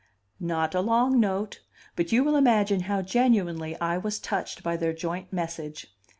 Not a long note! But you will imagine how genuinely I was touched by their joint message.